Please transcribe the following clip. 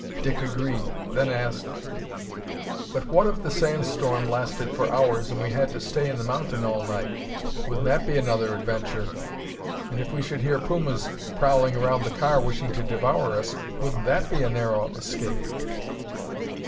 Dick agreed, then asked: "But what if the sand storm lasted for hours and we had to stay in the mountain all night, wouldn't that be another adventure, and if we should hear pumas prowling around the car wishing to devour us, wouldn't that be a narrow escape?"